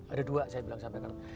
ada dua saya bilang sampai sekarang